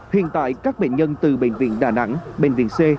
hiện tại các bệnh nhân từ bệnh viện đà nẵng bệnh viện c